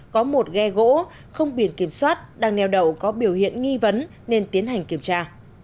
có một ghe gỗ không biển kiểm soát đang neo đậu có biểu hiện nghi vấn nên tiến hành kiểm tra